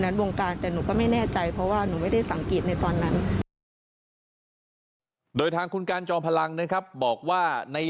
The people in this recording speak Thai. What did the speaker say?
ดวงการแต่หนูก็ไม่แน่ใจเพราะว่าหนูไม่ได้สังเกตในตอนนั้นโดยทางคุณการจอมพลังนะครับบอกว่าใน